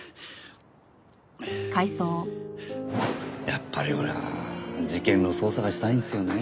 やっぱり俺は事件の捜査がしたいんですよね。